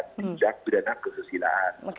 tindak pidana kesisilaan